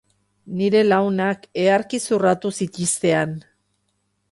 Nire lagunak ederki zurratu zitiztean.